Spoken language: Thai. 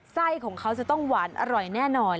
ไส้ของเขาจะต้องหวานอร่อยแน่นอน